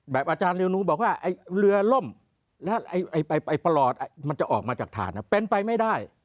อาจารย์เรวนูบอกว่าเรือล่มแล้วไปประหลอดมันจะออกมาจากฐานเป็นไปไม่ได้